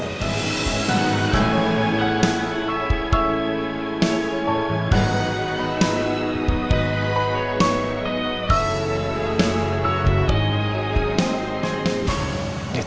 aku akan mencintai kamu